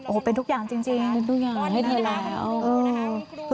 โอ้เป็นทุกอย่างจริงแม่นุ่มม